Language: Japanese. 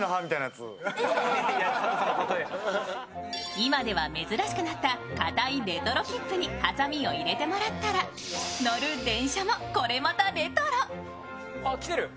今では珍しくなったかたいレトロ切符にはさみ入れてもらったら、乗る電車も、これまたレトロ。